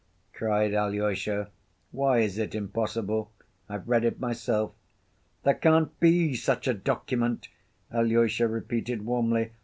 cried Alyosha. "Why is it impossible? I've read it myself." "There can't be such a document!" Alyosha repeated warmly.